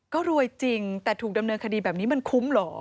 ก็รวยจริงแต่ถูกดำเนินคดีแบบนี้มันคุ้มเหรอ